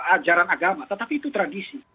ajaran agama tetapi itu tradisi